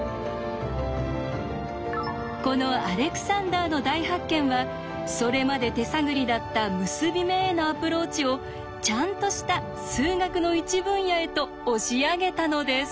このアレクサンダーの大発見はそれまで手探りだった結び目へのアプローチをちゃんとした数学の一分野へと押し上げたのです。